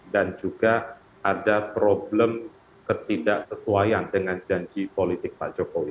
dan juga ada problem ketidak sesuaian dengan janji politik pak jokowi